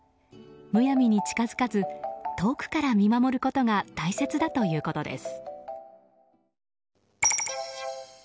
むやみに近づかず遠くから見守ることが大切だということです。